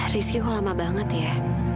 risky kok lama banget ya